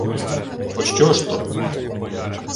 — Пощо ж то?